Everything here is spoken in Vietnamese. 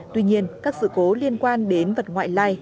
tuy nhiên các sự cố liên quan đến vật ngoại lai